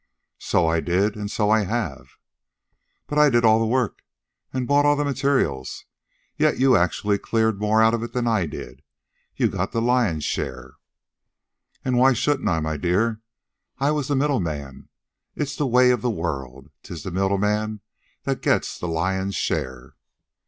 "So I did; and so I have." "But I did all the work and bought all the materials, yet you actually cleared more out of it than I did. You got the lion's share." "And why shouldn't I, my dear? I was the middleman. It's the way of the world. 'Tis the middlemen that get the lion's share."